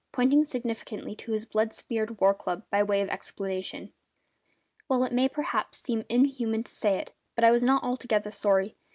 pointing significantly to his blood smeared war club by way of explanation. Well, it may perhaps seem inhuman to say it, but I was not altogether sorry.